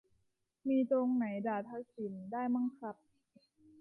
มีตรงไหนด่าทักษิณได้มั่งครับ